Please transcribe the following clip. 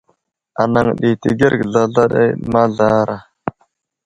Anaŋ ɗi təgerge zlazla ɗi mazlara.